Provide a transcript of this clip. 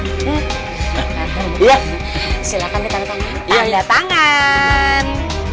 ya silahkan kita tanda tangan